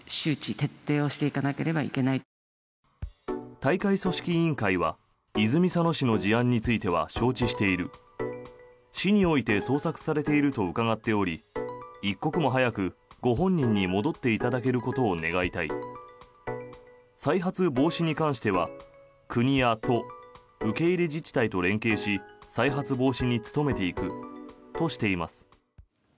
大会組織委員会は泉佐野市の事案については承知している市において捜索されていると伺っており一刻も早くご本人に戻っていただけることを願いたい再発防止に関しては国や都、受け入れ自治体と連携し再発防止に努めていくとしています。